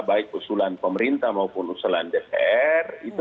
baik usulan pemerintah maupun usulan dpr